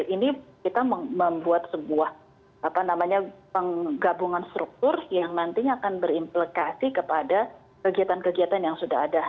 ini kita membuat sebuah penggabungan struktur yang nantinya akan berimplikasi kepada kegiatan kegiatan yang sudah ada